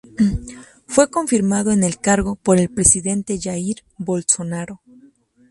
Fue confirmado en el cargo por el presidente Jair Bolsonaro.